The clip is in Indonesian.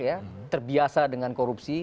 ya terbiasa dengan korupsi